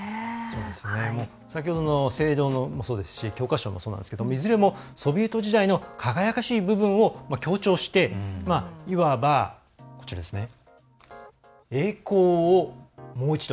先ほどの聖堂もそうですし教科書もそうなんですけどいずれも、ソビエト時代の輝かしい部分を強調していわば、栄光をもう一度。